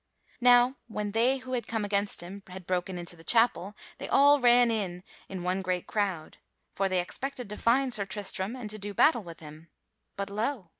Now when they who had come against him had broken into the chapel they all ran in in one great crowd, for they expected to find Sir Tristram and to do battle with him. But lo!